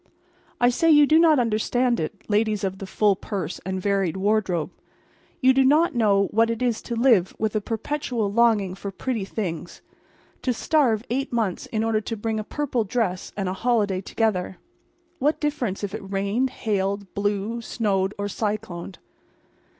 I say you do not understand it, ladies of the full purse and varied wardrobe. You do not know what it is to live with a perpetual longing for pretty things—to starve eight months in order to bring a purple dress and a holiday together. What difference if it rained, hailed, blew, snowed, cycloned?